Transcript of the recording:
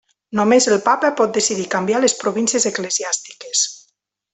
Només el Papa pot decidir canviar les províncies eclesiàstiques.